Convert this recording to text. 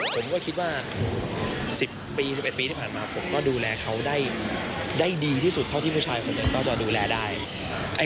ผมก็คิดว่า๑๐ปี๑๑ปีที่ผ่านมาผมก็ดูแลเขาได้ดีที่สุดเท่าที่ผู้ชายคนหนึ่งก็จะดูแลได้